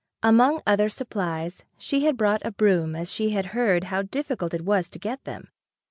Among other supplies she had brought a broom as she had heard how difficult it was to get them.